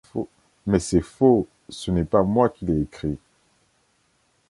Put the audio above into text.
Mais c'est faux, ce n'est pas moi qui l'ait écrit.